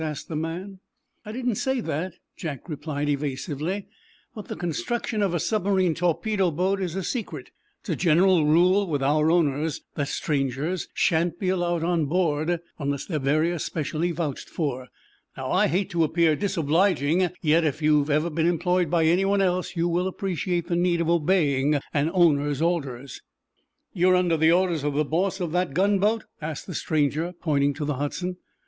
asked the man. "I didn't say that," Jack replied, evasively. "But the construction of a submarine torpedo boat is a secret. It is a general rule with our owners that strangers shan't be allowed on board, unless they're very especially vouched for. Now, I hate to appear disobliging; yet, if you've ever been employed by anyone else, you will appreciate the need of obeying an owner's orders." "You're under the orders of the boss of that gunboat?" asked the stranger, pointing to the "Hudson."